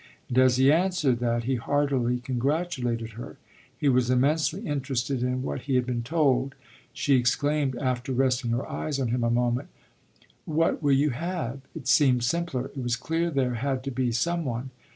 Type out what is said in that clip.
And as he answered that he heartily congratulated her he was immensely interested in what he had been told she exclaimed after resting her eyes on him a moment: "What will you have? It seemed simpler! It was clear there had to be some one."